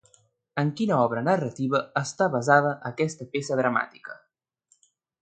En quina obra narrativa està basada aquesta peça dramàtica?